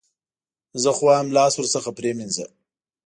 زه خو وایم لاس ورڅخه پرې مینځه.